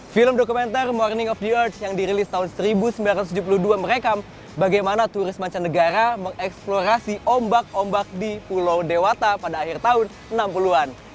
film dokumenter morning of the arts yang dirilis tahun seribu sembilan ratus tujuh puluh dua merekam bagaimana turis mancanegara mengeksplorasi ombak ombak di pulau dewata pada akhir tahun enam puluh an